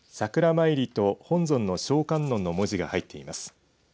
まいりと本尊の聖観音の文字が入っています。